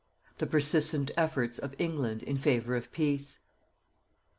THE PERSISTENT EFFORTS OF ENGLAND IN FAVOUR OF PEACE.